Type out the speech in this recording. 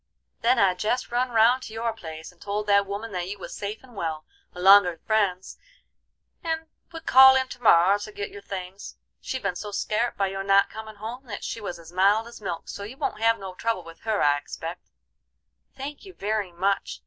Then I jest run round to your place and told that woman that you was safe and well, along'r friends, and would call in to morrer to get your things. She'd ben so scart by your not comin' home that she was as mild as milk, so you won't have no trouble with her, I expect." "Thank you very much!